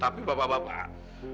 tapi bapak bapak